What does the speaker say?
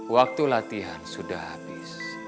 waktu latihan sudah habis